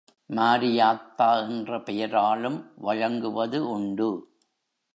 மாரியாத்தா என்ற பெயராலும் வழங்குவது உண்டு.